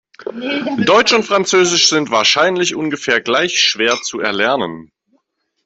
Deutsch und Französisch sind wahrscheinlich ungefähr gleich schwer zu erlernen.